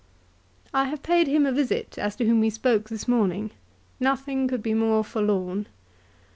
" I have paid him a visit as to whom we spoke this morning. Nothing could be more forlorn."